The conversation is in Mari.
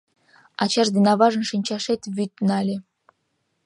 Ачаж ден аважын шинчашет вӱд нале.